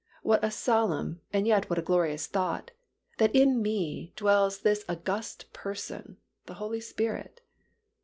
What a solemn, and yet what a glorious thought, that in me dwells this august Person, the Holy Spirit.